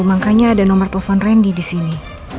makanya ada nomor telepon randy di sini